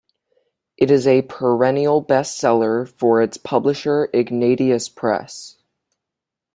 It is a perennial bestseller for its publisher, Ignatius Press.